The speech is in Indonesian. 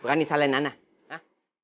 berani salahin ana